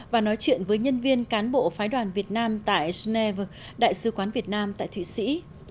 và nói chuyện với nhân viên cán bộ phái đoàn việt nam tại snever đại sứ quán việt nam tại thụy sĩ